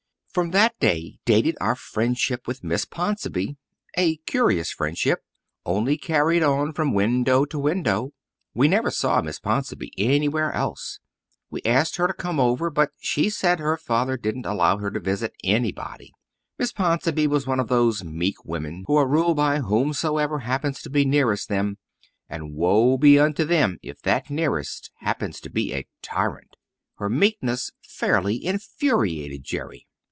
From that day dated our friendship with Miss Ponsonby, a curious friendship, only carried on from window to window. We never saw Miss Ponsonby anywhere else; we asked her to come over but she said her father didn't allow her to visit anybody. Miss Ponsonby was one of those meek women who are ruled by whomsoever happens to be nearest them, and woe be unto them if that nearest happen to be a tyrant. Her meekness fairly infuriated Jerry.